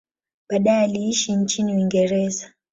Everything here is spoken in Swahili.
Baadaye aliishi nchini Uingereza.